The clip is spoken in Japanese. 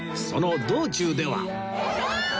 その道中では